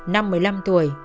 năm một mươi năm tuổi